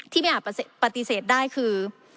ไม่อาจปฏิเสธได้คือ